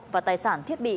và tài sản thiết bị